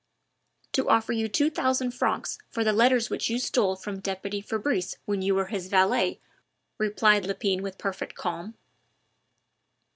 "To offer you two thousand francs for the letters which you stole from deputy Fabrice when you were his valet," replied Lepine with perfect calm.